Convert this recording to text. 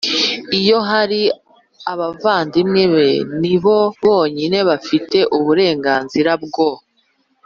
Iyo hari abavandimwe be ni bo bonyine bafite uburenganzira bwo